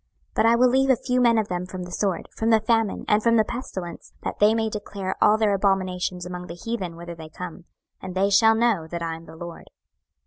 26:012:016 But I will leave a few men of them from the sword, from the famine, and from the pestilence; that they may declare all their abominations among the heathen whither they come; and they shall know that I am the LORD.